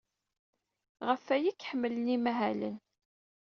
Ɣef waya i k-ḥemmlen yimahalen.